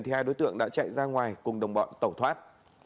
hai đối tượng đã chạy ra ngoài cùng đồng bọn tẩu thoát